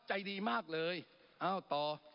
ใจดีมากเลยเอ้าต่อ